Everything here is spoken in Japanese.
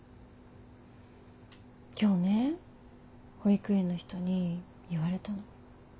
今日ね保育園の人に言われたの。